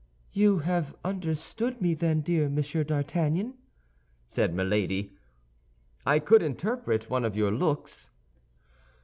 "You have understood me, then, dear Monsieur d'Artagnan," said Milady. "I could interpret one of your looks."